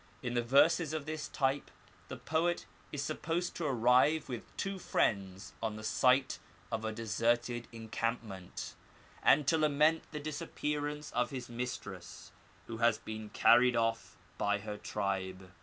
In the verses of this type the poet is supposed to arrive with two friends on the site of a deserted encampment, and to lament the disappearance of his mistress, who has been carried oflF by her tribe.